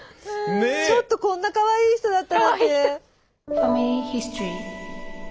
ちょっとこんなかわいい人だったなんて！